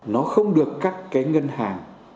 nó không được các cái ngân hàng